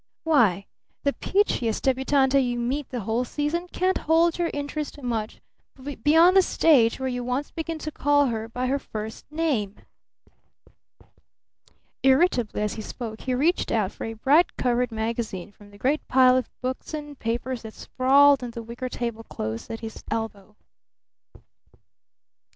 Why, the peachiest débutante you meet the whole season can't hold your interest much beyond the stage where you once begin to call her by her first name!" Irritably, as he spoke, he reached out for a bright covered magazine from the great pile of books and papers that sprawled on the wicker table close at his elbow.